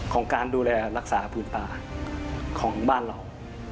ของการดูแลรักษาพื้นป่าของบ้านเรา